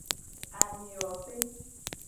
Amiwope.